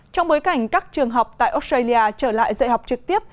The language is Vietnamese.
trong bối cảnh các trường học tại australia trở lại dạy học trực tiếp